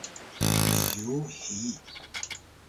myuy hi